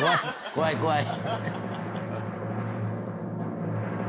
怖い怖い。